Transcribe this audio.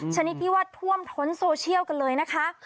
ชนิดที่ว่าท่วมท้นโซเชียลกันเลยนะคะ